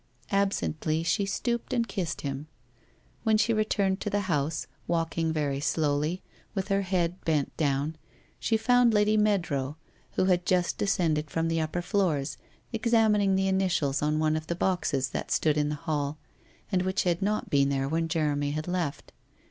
Absently she stooped and kissed him. When she returned to the house, walking very slowly, WHITE ROSE OF WEARY LEAF 375 with her head bent down, she found Lady Meadrow, who had just descended from the upper floors, examining the initials on one of the boxes that stood in the hall and which had not been there when Jeremy had left.